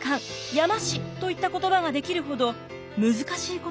山師といった言葉が出来るほど難しいことでした。